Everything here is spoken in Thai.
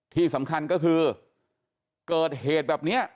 ที่สำคัญก็คือเกิดเหตุแบบนี้